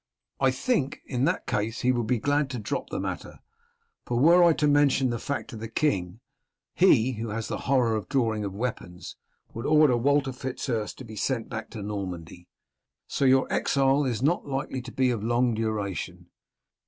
I think in that case he will be glad to drop the matter, for were I to mention the fact to the king, he, who has a horror of the drawing of weapons, would order Walter Fitz Urse to be sent back to Normandy. So your exile is not likely to be of long duration.